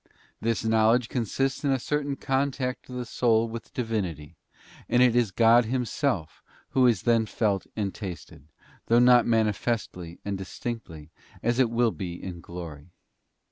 This knowledge consists in a certain contact of the soul with the Divinity, and it is God Himself Who is then felt and tasted, though not manifestly and distinctly, as it will be in glory.